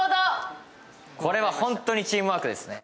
これはホントにチームワークですね。